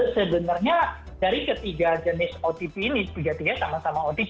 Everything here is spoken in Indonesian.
sebenarnya dari ketiga jenis otp ini tiga tiganya sama sama otp